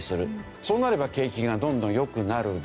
そうなれば景気がどんどん良くなるだろう。